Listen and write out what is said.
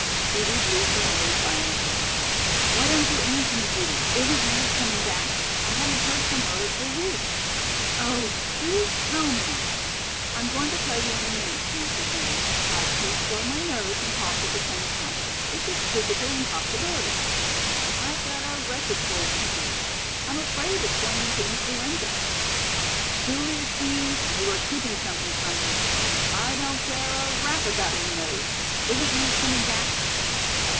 Judy blew her nose violently. "Why don't you answer me, Judy? Isn't Nance coming back? I haven't heard from her for weeks. Oh, do tell me." "I'm going to tell you in a minute," answered Judy. "I can't blow my nose and talk at the same time. It's a physical impossibility. I've got a wretched cold, you see. I am afraid it's going into influenza." "Julia Kean, you are keeping something from me. I don't care a rap about your nose. Isn't Nance coming back?"